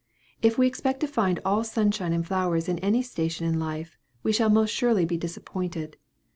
If we expect to find all sunshine and flowers in any station in life, we shall most surely be disappointed.